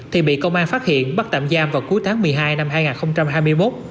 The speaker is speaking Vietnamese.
thì bị công an phát hiện bắt tạm giam vào cuối tháng một mươi hai năm hai nghìn hai mươi một